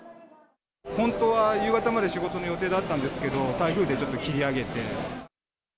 本当は夕方まで仕事の予定だったんですけど、台風でちょっと切り上げて。